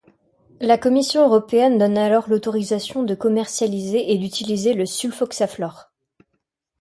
La Commission européenne donne alors l'autorisation de commercialiser et d’utiliser le sulfoxaflor.